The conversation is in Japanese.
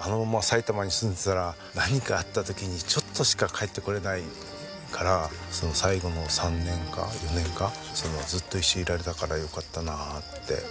あのまま埼玉に住んでたら何かあった時にちょっとしか帰ってこれないから最後の３年間４年間ずっと一緒にいられたからよかったなって。